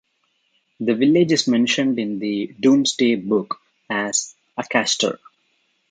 The village is mentioned in the "Domesday Book" as "Acastre".